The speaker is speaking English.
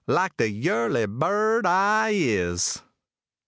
like de yurly bird I is.